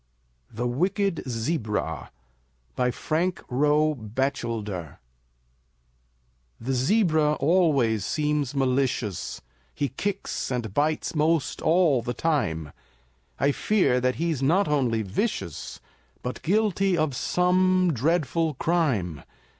THE WICKED ZEBRA BY FRANK ROE BATCHELDER The zebra always seems malicious, He kicks and bites 'most all the time; I fear that he's not only vicious, But guilty of some dreadful crime.